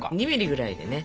２ｍｍぐらいでね。